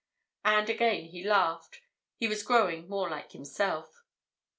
And again he laughed. He was growing more like himself.